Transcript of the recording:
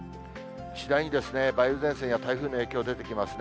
次第に梅雨前線や台風の影響出てきますね。